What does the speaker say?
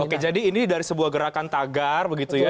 oke jadi ini dari sebuah gerakan tagar begitu ya